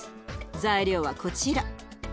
材料はこちら。